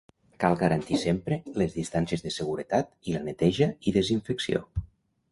Cal garantir sempre les distàncies de seguretat i la neteja i desinfecció.